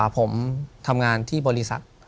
ผมทำงานที่บริษัท